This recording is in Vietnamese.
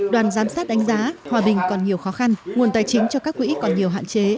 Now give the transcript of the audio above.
đoàn giám sát đánh giá hòa bình còn nhiều khó khăn nguồn tài chính cho các quỹ còn nhiều hạn chế